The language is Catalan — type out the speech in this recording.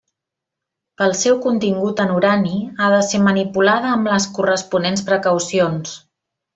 Pel seu contingut en urani ha de ser manipulada amb les corresponents precaucions.